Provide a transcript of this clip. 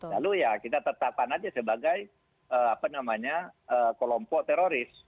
lalu kita tetapkan saja sebagai kelompok teroris